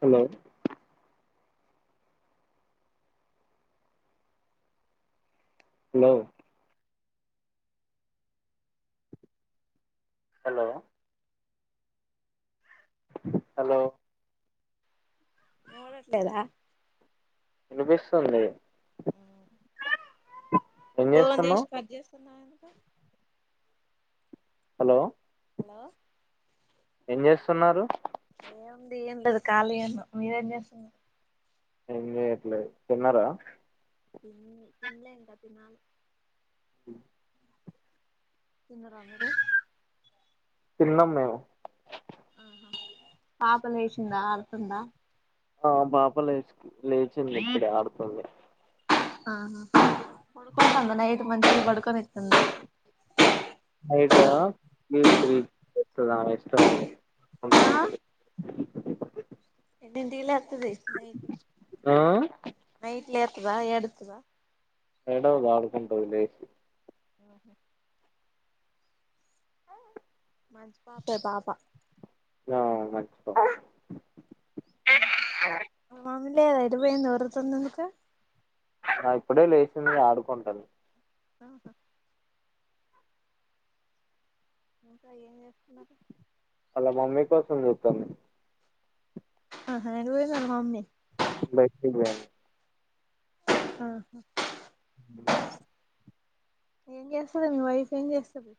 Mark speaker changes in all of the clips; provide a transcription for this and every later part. Speaker 1: Hello hello hello hello
Speaker 2: వినవడట్లేదా
Speaker 1: వినిపిస్తుంది
Speaker 2: ఆ
Speaker 1: ఏం
Speaker 2: ఫోన్ చేసి
Speaker 1: చేస్తున్నావ్
Speaker 2: కట్ చెస్ తున్నావు ఎందుకు
Speaker 1: హలో
Speaker 2: హలో
Speaker 1: ఏం చేస్తున్నారు
Speaker 2: ఏంది ఏం లేదు కాలీ ఉన్నం మీరేం చేస్తునా
Speaker 1: ఏం చెయ్యట్లే తిన్నారా
Speaker 2: మ్ తినలే ఇంకా తినాలి తిన్నరా మీరు
Speaker 1: తిన్నాం మేము
Speaker 2: పాపలేషిందా ఆడుతుందా
Speaker 1: ఆ పాప లేచి లేచిండి ఇప్పుడే ఆడుతుంది
Speaker 2: ఆహా పడుకుంటంద నైట్ మంచిగ పడుకొనితుందా
Speaker 1: టా మీ త్రీ లెత్తదామే ఇష్టం ఇగ
Speaker 2: ఆ
Speaker 1: కదుల్తవుంటది
Speaker 2: ఎండింది లక్ తేస్తునాయి ఇటు
Speaker 1: ఆ
Speaker 2: నైట్ లేతదా ఎడుతదా
Speaker 1: ఎడవదు ఆడుకుంటది లేషి
Speaker 2: ఆహ
Speaker 1: ఆ
Speaker 2: మంచి పాపే పాప
Speaker 1: ఆ మంచి పాప
Speaker 2: అవున్లే అది ఎటుబోయింది ఓరుతుందేందుకు
Speaker 1: ఆ ఇప్పుడే లేచింది ఆడుకుంటంది
Speaker 2: ఆహా ఇంకా ఏం చేస్తున్నారు
Speaker 1: అలా మమ్మీ కోసం చూత్తంది
Speaker 2: ఆహ ఎటు వోయింది ఆళ్ళ మమ్మీ
Speaker 1: బైటికెళ్ళివెయింది
Speaker 2: ఆహా
Speaker 1: హు
Speaker 2: ఏం చేస్తది మీ వైఫ్ ఏం చేస్తది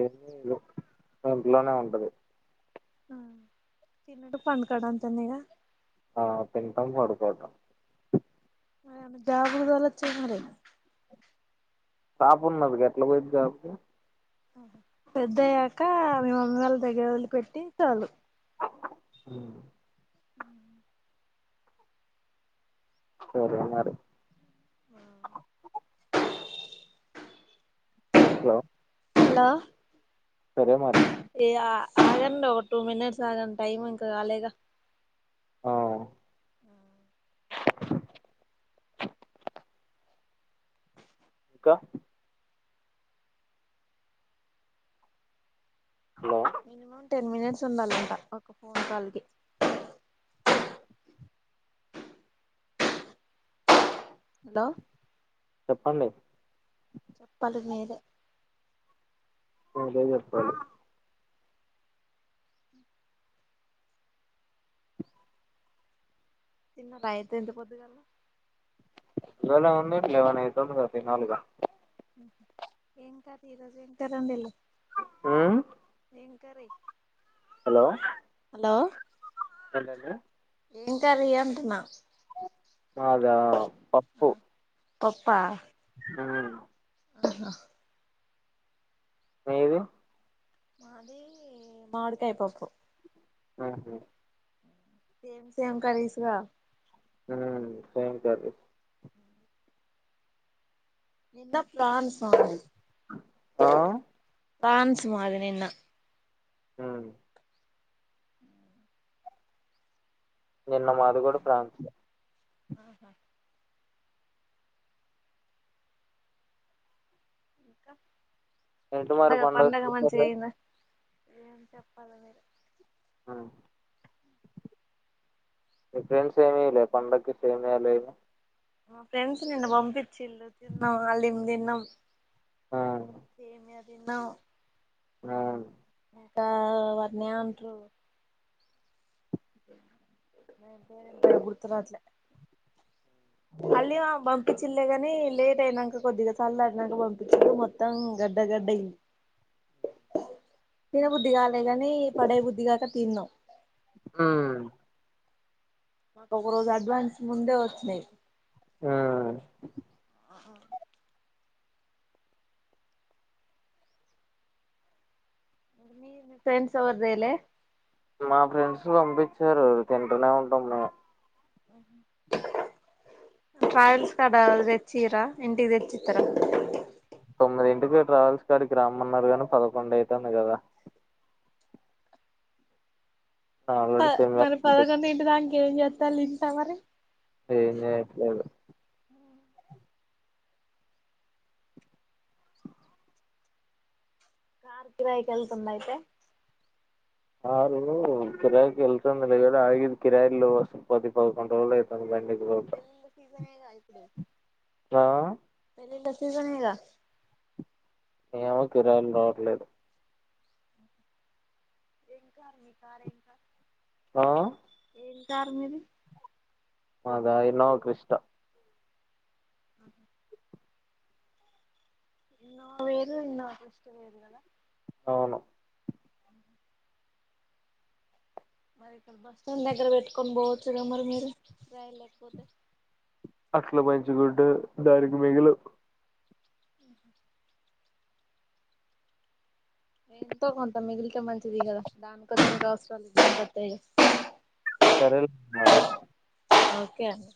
Speaker 1: ఏంలేదు ఇంట్లోనే ఉంటది
Speaker 2: ఆ తినుడు పండుకోడు అంతేన ఇగ
Speaker 1: ఆ తింటాం పడుకోవటం
Speaker 2: మరామో జాబుకు తోలచు గా మారి
Speaker 1: పాపున్నది గేట్లా పోయింది జాబ్కి
Speaker 2: పెద్ద అయ్యాక మీ మమ్మీ వాళ్ళ దగ్గర వదిలి పెట్టి తోలు
Speaker 1: హ్
Speaker 2: మ్
Speaker 1: సరే మరి
Speaker 2: ఆ
Speaker 1: హలో
Speaker 2: హలో
Speaker 1: సరే మరి
Speaker 2: ఆగండి ఒక టూ మినిట్స్ ఆగం టైం ఇంకా కాలేగ
Speaker 1: ఆ ఇంకా హలో
Speaker 2: మినిమమ్ టెన్ మినిట్స్ ఉండాలంట ఒక ఫోన్ కాల్కి హలో
Speaker 1: చెప్పండి.
Speaker 2: చెప్పాలి మీరే
Speaker 1: అదే చెప్పాలి
Speaker 2: తిన్నరా అయితే ఇంత పొద్దుగాల
Speaker 1: ఇవాళ ఉంది లెవెన్ అయితాందిగా తినాల్ ఇగ
Speaker 2: ఏం కర్రీ ఈరోజు ఏం కర్రీ వండిన్లు
Speaker 1: మ్
Speaker 2: ఏం కర్రీ
Speaker 1: హలో
Speaker 2: హలో
Speaker 1: [unintelligible]
Speaker 2: ఏం కర్రీ అంటున్నా
Speaker 1: మాదా పప్పు
Speaker 2: పప్పా
Speaker 1: అవును
Speaker 2: ఆహా
Speaker 1: మీరు
Speaker 2: మాదీ మామిడికాయ పప్పు
Speaker 1: ఆహా
Speaker 2: సేమ్ సేమ్ కర్రీస్గా
Speaker 1: హ్ సేమ్ కర్రీ
Speaker 2: నిన్న ప్లాన్ [inaudible]
Speaker 1: ఆ
Speaker 2: ప్రాన్స్ మాది నిన్న
Speaker 1: ఉమ్ నిన్న మాదిగుడ ప్రాన్సే
Speaker 2: ఆహ ఇంకా
Speaker 1: ఎటు మరి
Speaker 2: పండగ పండగ
Speaker 1: పండగకి [inaudible]
Speaker 2: మంచిగా అయిందా ఏం చెప్పాలి మీరె
Speaker 1: ఆ మీ ఫ్రెండ్స్ ఏం ఇయ్యలే పండక్కి సేమియాలు ఏం
Speaker 2: మా ఫ్రెండ్స్ నిన్న పంపించిన్ళ్ళు తిన్నాం అలిమ్ తిన్నాం సేమియా విన్న
Speaker 1: ఆ
Speaker 2: ఇంకా వట్నెమంట్రూ దాని పేరేం పేరు గుర్తు రావట్లే మళ్ళీ ఇమా పంపించిలే కాని లేట్ అయినంక కొద్దిగా సల్లారినంక పంపించి మొత్తం గడ్డ గడ్డయింది తిన బుద్ధి కాలే కాని పడే బుద్ధిగాక తిన్నాం
Speaker 1: ఊమ్
Speaker 2: మాకు ఒక రోజు అడ్వాన్స్ ముందే వచ్చినాయి
Speaker 1: ఆ
Speaker 2: మీ ఫ్రెండ్స్ ఎవర్దేలే
Speaker 1: మా ఫ్రెండ్స్ పంపించారు తింటూనే ఉంటాము మేం
Speaker 2: ట్రావెల్స్ కాడ తెచ్చిరా ఇంటికి తెచ్చిత్తర
Speaker 1: తొమ్మిది ఇంటికి ట్రావెల్స్ కాడికి రమ్మన్నారు కానీ పదకొండు అయితంది కదా
Speaker 2: ప
Speaker 1: ఆల్రెడీ సెమినార్
Speaker 2: మరి పదకొండు
Speaker 1: పంపించారు
Speaker 2: ఇంటిదాంక ఏం చేత్ త్తళ్ళు ఇంట్ల మరి
Speaker 1: ఏం చేయట్లేదు
Speaker 2: కార్ కిరాయికి ఎళ్తుంద అయితే
Speaker 1: కారు కిరాయి కి ఎల్తంది లే గని ఆగింది కిరాయిలు లేవ్ అసల్ పది పదకొండు రోజులు అయితుంది బండి
Speaker 2: పెల్లిళ్ల సీజన్ ఏ గా ఇప్పుడు
Speaker 1: ఆ
Speaker 2: పెళ్లిళ్ల సీజన్ ఎ గా
Speaker 1: ఏమో కిరాయిలు రావట్లేదు
Speaker 2: ఎం కార్ మి కార్ ఎం కార్
Speaker 1: ఆ
Speaker 2: ఏం కారు మిది
Speaker 1: మాధ ఇన్నోవా క్రిస్ట
Speaker 2: ఉహు [inaudible] నిన్న ఆఫీస్ కి పోయిర్రు కదా
Speaker 1: అవును
Speaker 2: అ మరి ఇక్కడ బస్ స్టాండ్ దగ్గర పెట్టుకొని పోవచ్చు కద మరి మీరు కిరాయిలు లేకపోతే
Speaker 1: అట్ల మంచిగుండద్ దానికి మిగులవ్
Speaker 2: ఉహు ఎంతో కొంత మిగిలితే మంచిది కదా దానికో దీనికో అవసరాలు పనికత్తాయి గా
Speaker 1: సరే లే మళ్ళీ
Speaker 2: ఓకే అండి